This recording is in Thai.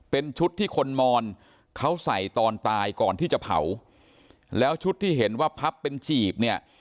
เป็นชุดที่คนมอนเขาใส่ตอนตายก่อนที่จะเผาแล้วชุดที่เห็นว่าพับเป็นจีบเนี่ย